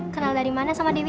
kenal dari mana sama dewi